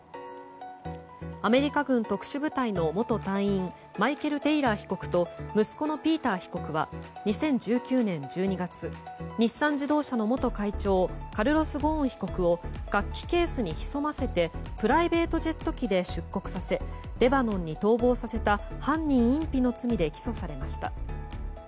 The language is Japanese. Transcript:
アメリカ軍特殊部隊、元隊員マイケル・テイラー被告と息子のピーター被告は２０１９年１２月日産自動車の元会長カルロス・ゴーン被告を楽器ケースに潜ませてプライベートジェット機で出国させレバノンに逃亡させた犯人隠避の罪で起訴されました。